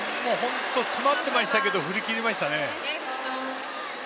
詰まっていましたけど振り切りましたね。